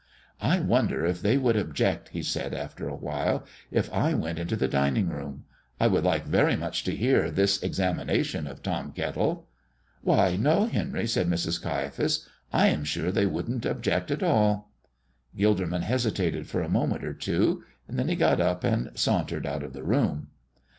"I wonder if they would object," he said, after a while, "if I went into the dining room? I would like very much to hear this examination of Tom Kettle." "Why, no, Henry," said Mrs. Caiaphas. "I am sure they wouldn't object at all." Gilderman hesitated for a moment or two; then he got up and sauntered out of the room.